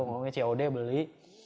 ngomongnya cod beli